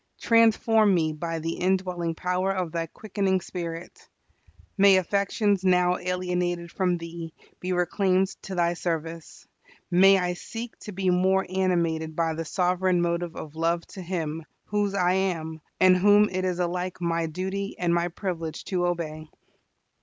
Transform me by the indwelling power of Thy quickening Spirit. May affections now alienated from Thee be reclaimed to Thy service. May I seek to be more animated by the sovereign motive of love to Him, whose I am, and whom it is alike my duty and my privilege to obey.